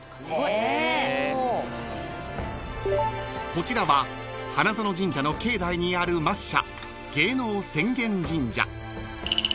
［こちらは花園神社の境内にある末社］